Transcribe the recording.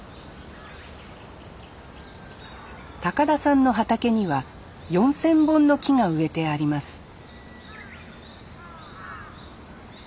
田さんの畑には４，０００本の木が植えてあります